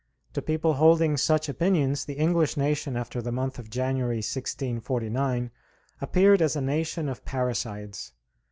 To people holding such opinions the English nation after the month of January, 1649, appeared as a nation of parricides.